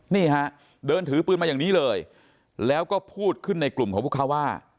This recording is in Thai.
นี่ฮะเดินถือปืนมาอย่างนี้เลยแล้วก็พูดขึ้นในกลุ่มของพวกเขาว่า